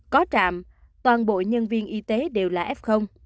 có trạm toàn bộ nhân viên y tế đều là f